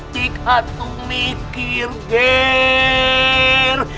cik hatu mikir ngir